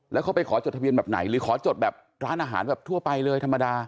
แล้วเขาไปขอจดทะเบียนแบบไหนหรือขอจดแบบร้านอาหารแบบทั่วไปเลยธรรมดา